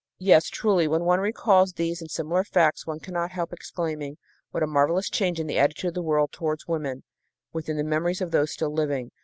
Yes, truly, when one recalls these and similar facts, one cannot help exclaiming: "What a marvelous change in the attitude of the world toward women within the memories of those still living!"